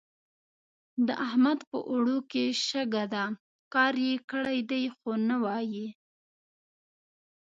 د احمد په اوړو کې شګه ده؛ کار يې کړی دی خو نه وايي.